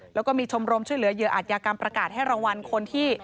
แล้วก็มีชมรมช่วยเหลือเหยื่ออาจยากรรมประกาศให้รางวัลคนที่